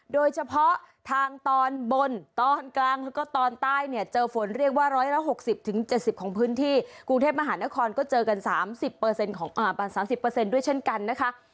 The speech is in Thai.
โดยเฉพาะทางตอนบนตอนกลางแล้วก็ตอนใต้เนี่ยเจอฝนเรียกว่า๑๖๐๗๐ของพื้นที่กรุงเทพมหานครก็เจอกัน๓๐ของ๓๐ด้วยเช่นกันนะคะ